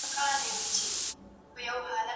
آيا مذهب په ځان وژنه کي رول لري؟